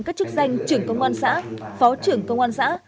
các chức danh trưởng công an xã phó trưởng công an xã